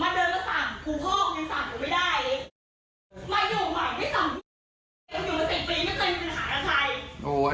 มาเดินแล้วสั่งพี่กลุ่มพ่ออย่างนั้นค่ะ